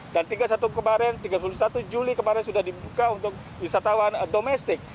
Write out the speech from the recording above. dan tiga puluh satu juli kemarin sudah dibuka untuk wisatawan domestik